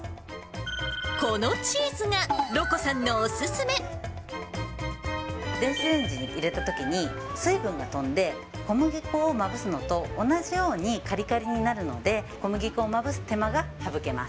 このチーズが、ろこさんのお電子レンジに入れたときに、水分が飛んで、小麦粉をまぶすのと同じようにかりかりになるので、小麦粉をまぶ